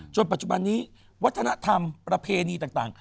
ปัจจุบันนี้วัฒนธรรมประเพณีต่าง